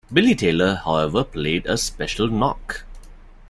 Billy Taylor, however, played a special knock.